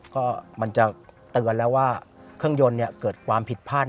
ก็มันจะเตือนแล้วว่าเครื่องยนต์เกิดความผิดพลาด